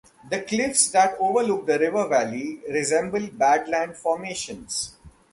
The cliffs that overlook the river valley resemble badland formations.